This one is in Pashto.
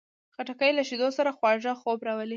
خټکی له شیدو سره خواږه خوب راولي.